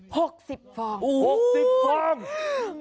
หกสิบฟองอุ้วหกสิบฟองฮึ